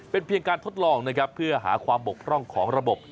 เป็นเพียงการทดลองนะครับเพื่อหาความบกพร่องของระบบ